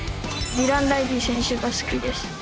ディランライリー選手が好きです。